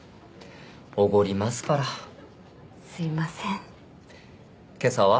おごりますからすいません今朝は？